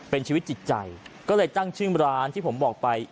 เป็นชีวิตจิตใจก็เลยตั้งชื่อร้านที่ผมบอกไป